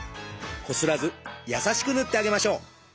こすらず優しく塗ってあげましょう。